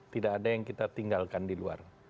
tidak ada yang kita tinggalkan di luar